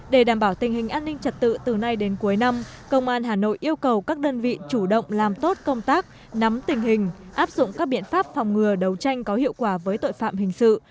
để đảm bảo tình hình an ninh trật tự từ nay đến cuối năm công an hà nội yêu cầu các đơn vị chủ động làm tốt công tác nắm tình hình áp dụng các biện pháp phòng ngừa đấu tranh có hiệu quả với tội phạm hình sự